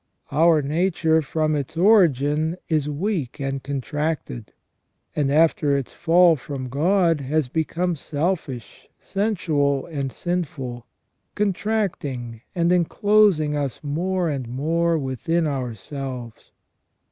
Our nature from its origin is weak and contracted ; and after its fall from God, has become selfish, sensual, and sinful, contracting and enclosing us more and more within ourselves.